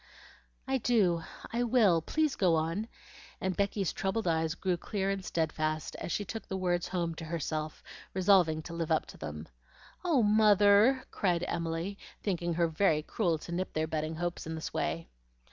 "I do! I will! please go on," and Becky's troubled eyes grew clear and steadfast as she took the words home to herself, resolving to live up to them. "Oh, mother!" cried Emily, thinking her very cruel to nip their budding hopes in this way.